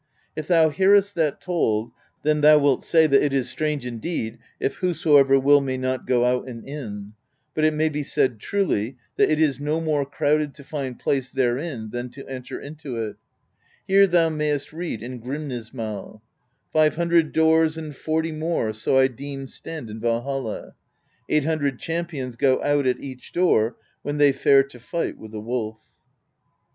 If thou hearest that told, then thou wilt say that it is strange indeed if whosoever will may not go out and in; but it may be said truly that it is no more crowded to find place therein than to enter into it; here thou mayest read in Grimnismal : Five hundred doors and forty more So I deem stand in Valhall; Eight hundred champions go out at each door When they fare to fight with the Wolf."